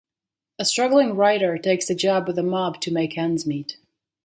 A struggling writer takes a job with the mob to make ends meet.